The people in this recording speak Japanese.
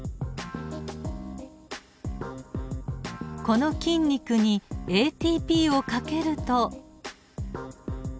この筋肉にＡＴＰをかけると。